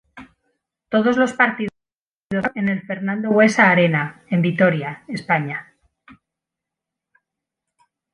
Todos los partidos se jugaron en el Fernando Buesa Arena, en Vitoria, España.